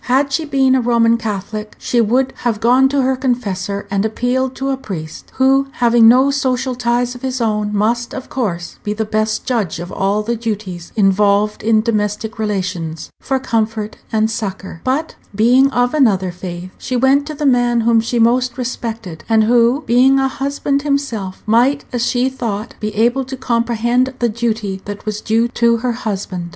Had she been a Roman Catholic, she would have gone to her confessor, and appealed to a priest who, having no social ties of his own, must, of course, be the best judge of all the duties involved in domestic relations for comfort and succor; but, being of another faith, she went to the man whom she most respected, and who, being a husband himself, might, as she thought, be able to comprehend the duty that was due to her husband.